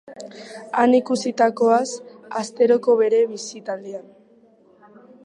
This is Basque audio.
Han ikusitakoaz, asteroko bere bisitaldian.